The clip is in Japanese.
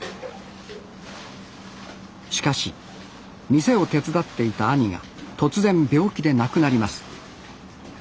しかし店を手伝っていた兄が突然病気で亡くなります。